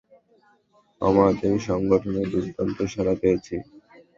আমাদের সংগঠনের দুর্দান্ত সাড়া পেয়েছি।